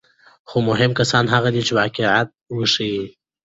خو مهم کسان هغه دي چې واقعیت وښيي.